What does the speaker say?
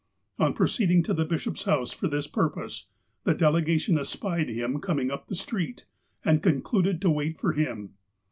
On proceeding to the bishop's house for this purpose, the delegation espied him coming up the street, and con cluded to wait for him.